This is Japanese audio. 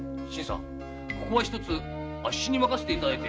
ここはあっしに任せていただいて。